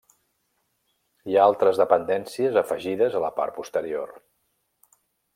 Hi ha altres dependències afegides a la part posterior.